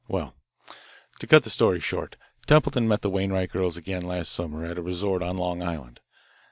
"Well, to cut the story short, Templeton met the Wainwright girls again last summer at a resort on Long Island.